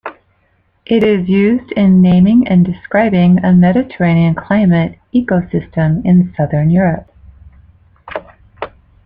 It is used in naming and describing a Mediterranean climate ecosystem in Southern Europe.